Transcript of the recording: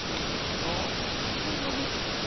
とノビですか。